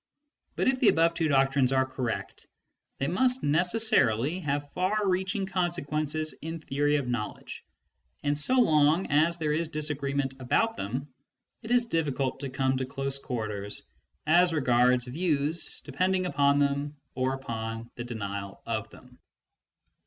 But if the above two doctrines are correct, they must necessarily have far reaching consequences in theory of knowledge ; and so long as there is disagreement about them, it is difficult to come to close quarters as regards views depending upon them or upon the denial of them.